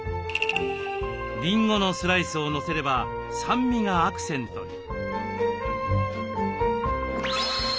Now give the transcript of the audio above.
りんごのスライスをのせれば酸味がアクセントに。